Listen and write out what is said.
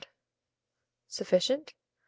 Sufficient.